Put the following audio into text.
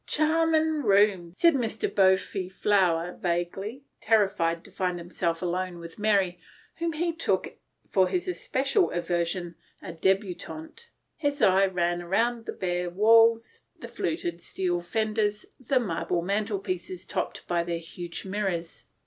* Charmin' rooms," said the pale faced boy vaguely, terrified at finding himself alone with Mary, whom he took for his especial aversion, a debutante. His eye ran round the rather bare walls, the fluted steel fenders, the marble mantelpieces topped by their huge mirrors.